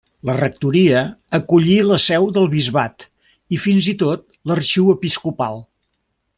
La rectoria acollí la seu del bisbat i fins i tot l'arxiu episcopal.